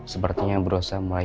sepertinya berusaha mulai